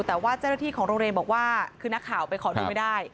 แต่ว่าเจ้าหน้าที่ของโรงเรียนบอกว่าคือนักข่าวไปขอดูไม่ได้